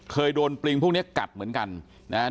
เคยโดนปลิงพวกนี้กัดเหมือนกันนะฮะ